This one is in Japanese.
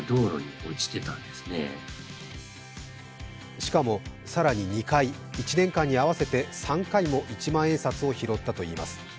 しかも更に２回、１年間に合わせて３回も一万円札を拾ったといいます。